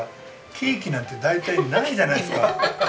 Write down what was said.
ケーキなんて大体ないじゃないですか？